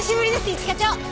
一課長！